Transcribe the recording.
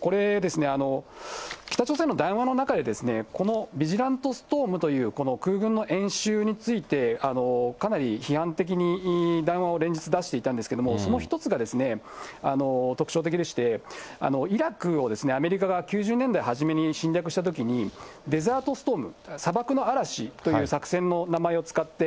これですね、北朝鮮の談話の中で、このビジラントストームというこの空軍の演習について、かなり批判的に談話を連日出していたんですけれども、その一つが特徴的でして、イラクをアメリカが９０年代初めに侵略したときに、デザートストーム・砂漠の嵐という作戦の名前を使って、